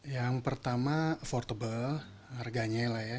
yang pertama affortable harganya lah ya